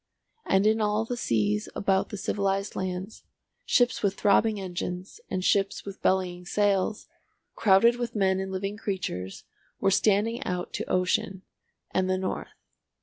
And in all the seas about the civilised lands, ships with throbbing engines, and ships with bellying sails, crowded with men and living creatures, were standing out to ocean and the north.